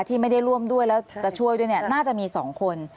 ที่ไม่ได้ร่วมด้วยแล้วจะช่วยด้วยเนี่ยน่าจะมี๒คน